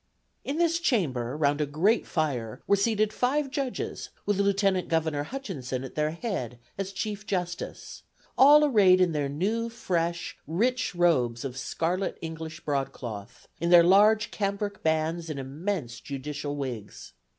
"In this chamber, round a great fire, were seated five judges, with Lieutenant Governor Hutchinson at their head as Chief Justice, all arrayed in their new, fresh, rich robes of scarlet English broadcloth; in their large cambric bands and immense judicial wigs.